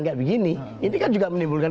kayak begini ini kan juga menimbulkan